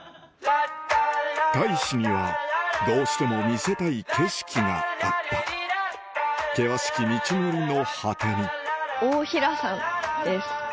大使にはどうしても見せたい景色があった険しき道のりの果てに大平山です。